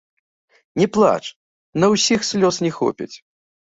Не плач, на ўсіх слёз не хопіць!